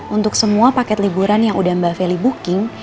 untuk semua paket liburan yang udah mbak feli booking